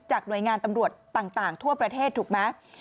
หน่วยงานตำรวจต่างทั่วประเทศถูกไหม